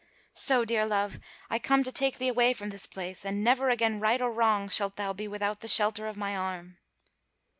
So, dear love, I come to take thee away from this place; and never again right or wrong, shalt thou be without the shelter of my arm."